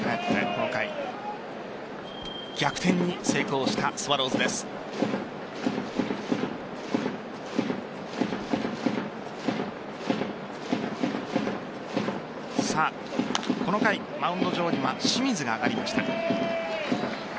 この回、マウンド上には清水が上がりました。